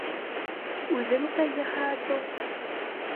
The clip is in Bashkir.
- Үҙең сәй яһа, атыу...